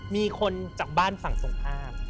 มีคนจากบ้านฝั่งส่งภาพ